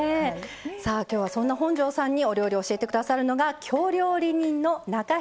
さあ今日はそんな本上さんにお料理を教えて下さるのが京料理人の中東久人さんです。